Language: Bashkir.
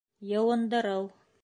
Йыуындырыу